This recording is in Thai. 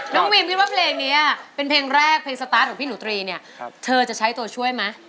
วิมคิดว่าเพลงนี้เป็นเพลงแรกเพลงสตาร์ทของพี่หนูตรีเนี่ยเธอจะใช้ตัวช่วยไหม